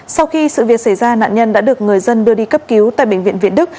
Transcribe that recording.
sau khi sự việc xảy ra nạn nhân đã được người dân đưa đi cấp cứu tại bệnh viện việt đức